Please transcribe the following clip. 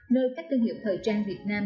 nơi các tên hiệu thời trang việt nam